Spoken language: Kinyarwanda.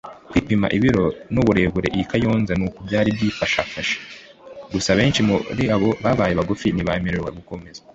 Kwipima ibiro n’uburebure I Kayonza ni uku byari byifashafe gusa benshi muri abo babaye bagufi ntibemerewe gukomeza